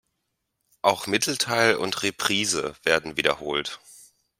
Auch Mittelteil und „Reprise“ werden wiederholt.